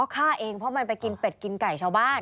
ฆ่าเองเพราะมันไปกินเป็ดกินไก่ชาวบ้าน